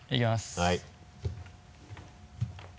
はい。